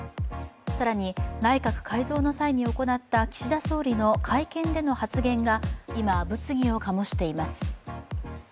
更に内閣改造の際に行った岸田総理の会見での発言が今、物議を醸しています。